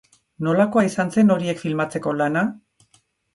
Nolakoa izan zen horiek filmatzeko lana?